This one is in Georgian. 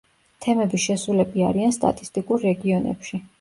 თემები შესულები არიან სტატისტიკურ რეგიონებში.